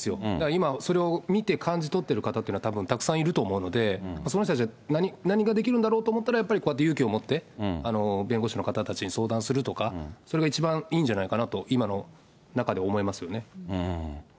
今、それを見て、感じ取ってる方というのは、たぶんたくさんいると思うので、その人たちは何ができるんだろうと思ったら、やっぱりこうやって勇気を持って、弁護士の方たちに相談するとか、それが一番いいんじゃないかなと、今の中で思いますよね。